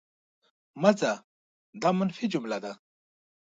مه ځه! دا منفي جمله ده.